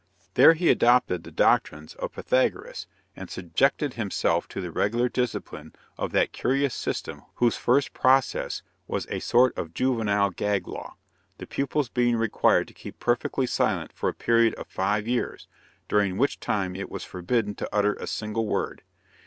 There he adopted the doctrines of Pythagoras, and subjected himself to the regular discipline of that curious system whose first process was a sort of juvenile gag law, the pupils being required to keep perfectly silent for a period of five years, during which time it was forbidden to utter a single word.